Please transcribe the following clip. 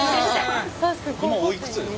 今おいくつですか？